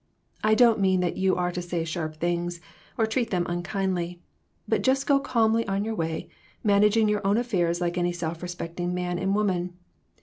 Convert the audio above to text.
I don't mean that you are to say sharp things, or treat them unkindly, but just go calmly on your way, managing your own affairs like any self respecting man and woman.